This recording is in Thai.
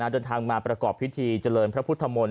เดินทางมาประกอบพิธีเจริญพระพุทธมนตร์